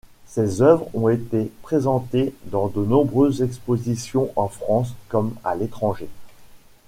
Ses œuvres ont été présentées dans de nombreuses expositions en France comme à l’étranger.